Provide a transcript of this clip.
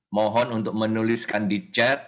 mohon untuk menuliskan di chat